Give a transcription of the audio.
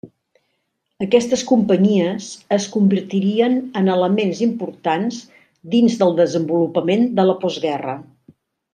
Aquestes companyies es convertirien en elements importants dins del desenvolupament de la postguerra.